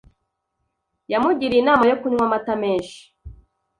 Yamugiriye inama yo kunywa amata menshi.